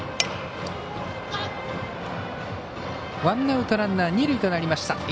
ワンアウト、ランナー、二塁となりました。